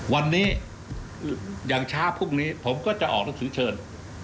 วันนี้อย่างช้าพรุ่งนี้ผมก็จะออกหนังสือเชิญ